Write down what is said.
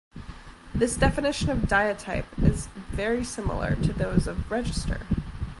This definition of diatype is very similar to those of "register".